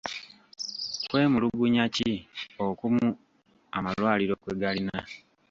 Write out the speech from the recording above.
Kwemulugunya ki okumu amalwaliro kwe galina?